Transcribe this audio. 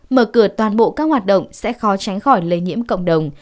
mở cửa toàn bộ các hoạt động sẽ khó tránh khỏi lây nhiễm cộng đồng